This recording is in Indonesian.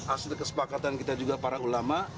asli kesepakatan kita juga para ulama